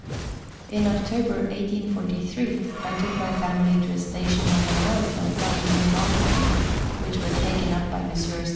In October 1843, I took my family to a station on the north of W. Mollison's, which was taken up by Messrs.